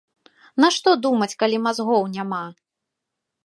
Нашто думаць, калі мазгоў няма!